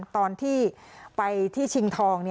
ตอนที่ไปที่ชิงทอง